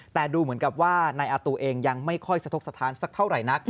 แต่ดูเหมือนกับว่านายอาตูเองยังไม่ค่อยสะทกสถานสักเท่าไหร่นัก